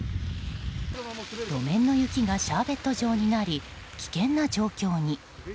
路面の雪がシャーベット状になり危険な状況に。